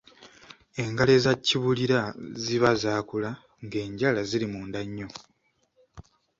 Engalo eza kibulira ziba zaakula ng’enjala ziri munda nnyo.